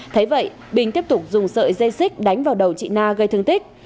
thấy vậy bình tiếp tục dùng sợi dây xích đánh vào đầu chị na gây thương tích